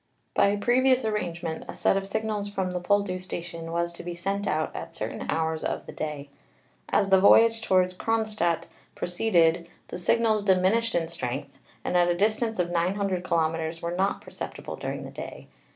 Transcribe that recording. By previous arrangement a set of signals from the Poldhu station was to be sent out at certain hours of the day. As the voyage toward Kronstadt proceeded the signals diminished in strength, and at a distance of 900 kilometers were not perceptible during the day.